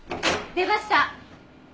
出ました！